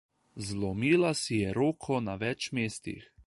Zlomila si je roko na več mestih.